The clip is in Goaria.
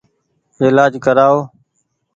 ايلآج ڪرآئو ۔